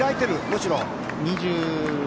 むしろ。